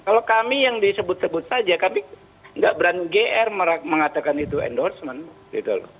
kalau kami yang disebut sebut saja kami nggak beran gr mengatakan itu endorsement